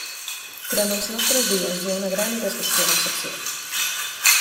Però, en els nostres dies, hi ha una gran i desgraciada excepció.